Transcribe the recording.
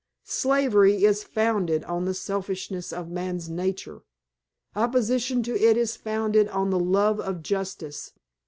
Slavery is founded on the selfishness of man's nature; opposition to it is founded on the love of justice.